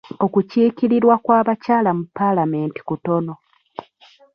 Okukiikirirwa kw'abakyala mu paalamenti kutono.